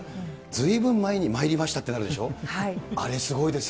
ずいぶん前に参りましたってなるでしょう、あれ、すごいですよ。